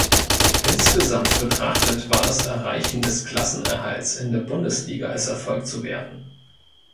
Insgesamt betrachtet war das Erreichen des Klassenerhalts in der Bundesliga als Erfolg zu werten.